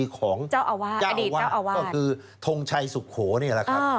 ก็คือทงชัยสุโขนี่แหละครับ